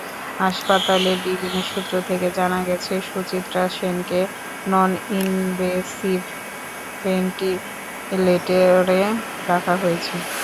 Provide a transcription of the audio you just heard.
হাসপাতালের বিভিন্ন সূত্র থেকে জানা গেছে, সুচিত্রা সেনকে নন-ইনভেসিভ ভেন্টিলেটরে রাখা হয়েছে।